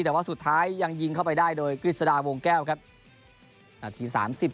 แต่ว่าสุดท้ายยังยิงเข้าไปได้โดยกฤษฎาวงแก้วครับนาที๓๐